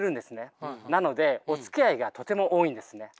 なのでおつきあいがとても多いんですね。